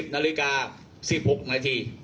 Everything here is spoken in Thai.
นาฬิกา๑๖นาที